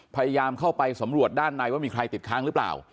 พยายามเข้าไปสำรวจด้านในว่ามีใครติดค้างหรือเปล่า